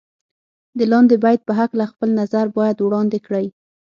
د لاندې بیت په هکله خپل نظر باید وړاندې کړئ.